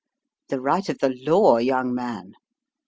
"The right of the law, young man.